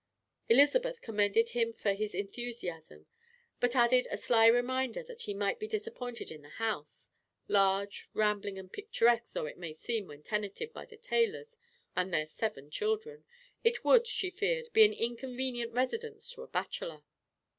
Elizabeth commended him for his enthusiasm, but added a sly reminder that he might be disappointed in the house; large, rambling and picturesque though it may seem when tenanted by the Taylors and their seven children, it would, she feared, be an inconvenient residence to a bachelor.